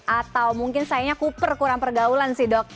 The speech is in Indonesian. atau mungkin sayangnya cooper kurang pergaulan sih dok